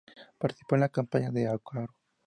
Participó de la campaña de Arauco.